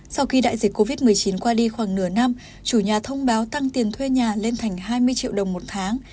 sau khi đại dịch covid một mươi chín qua đi khoảng nửa năm chủ nhà thông báo tăng tiền thuê nhà lên thành hai mươi triệu đồng một tháng